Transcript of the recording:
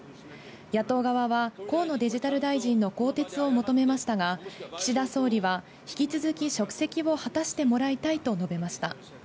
野党側は河野デジタル大臣の更迭を求めましたが、岸田総理は引き続き職責を果たしてもらいたいと述べました。